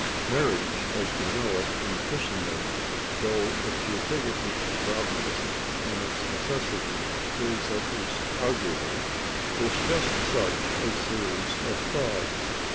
Marriage, as we know it in Christendom, though its utility is obvious and its necessity is at least arguable, is just such a series of frauds.